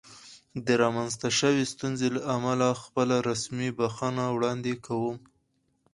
د رامنځته شوې ستونزې له امله خپله رسمي بښنه وړاندې کوم.